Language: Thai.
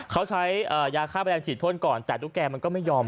เขาใช้ยาฆ่าแมลงฉีดพ่นก่อนแต่ตุ๊กแกมันก็ไม่ยอม